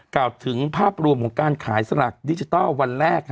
กล่าวถึงภาพรวมของการขายสลักดิจิทัลวันแรก